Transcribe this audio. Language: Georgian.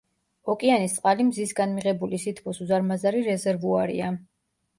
ოკეანის წყალი მზისგან მიღებული სითბოს უზარმაზარი რეზერვუარია.